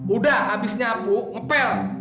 udah habis nyapu ngepel